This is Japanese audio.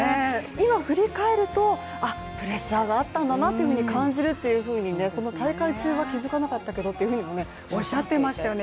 今振り返ると、プレッシャーがあったんだなと感じると、大会中は気づかなかったけどっておっしゃってましたけど。